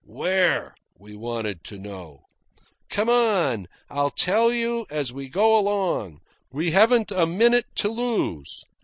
"Where?" we wanted to know. "Come on. I'll tell you as we go along. We haven't a minute to lose."